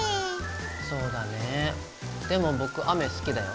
そうだねでも僕雨好きだよ。